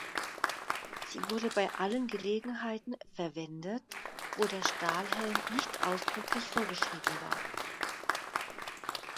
Sie wurde bei allen Gelegenheiten verwendet, wo der Stahlhelm nicht ausdrücklich vorgeschrieben war.